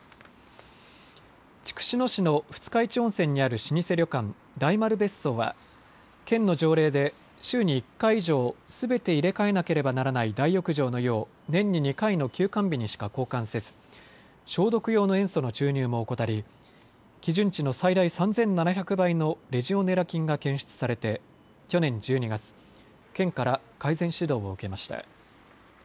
筑紫野市の二日市温泉にある老舗旅館、大丸別荘は県の条例で週に１回以上、すべて入れ替えなければならない大浴場の湯を年に２回の休館日にしか交換せず消毒用の塩素の注入も怠り基準値の最大３７００倍のレジオネラ菌が検出されて去年１２月、県から改善指導を受けました。